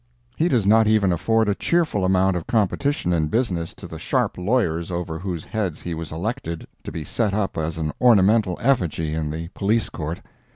He does not even afford a cheerful amount of competition in business to the sharp lawyers over whose heads he was elected to be set up as an ornamental effigy in the Police Court.